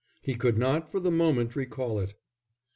He could not for the moment recall it.